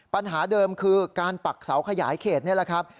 ปัญหาเดิมคือการปักเสาขยายเขตนี่แหละครับ